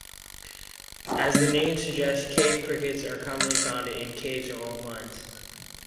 As the name suggests, cave crickets are commonly found in caves or old mines.